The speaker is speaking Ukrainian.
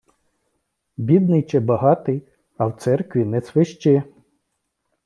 Бідний чи богатий, а в церкві не свищи.